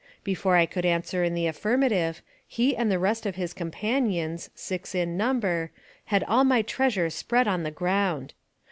Before I could answer in the affirmative, he and the rest of his companions (six in number) had all my treasure spread on the ground.